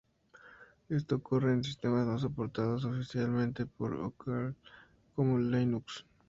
Esto ocurre en sistemas no soportados oficialmente por Oracle, como Linux.